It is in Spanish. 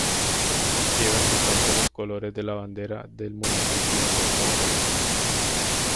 Lleva en su campo los colores de la bandera del municipio en tres cuarteles.